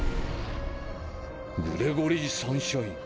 グレゴリー・サンシャイン？